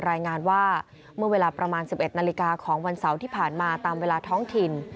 รายงานว่าเมื่อเวลาประมาณ๑๑นาฬิกาของวันเสาร์ที่ผ่านมาตามเวลาท้องถิ่น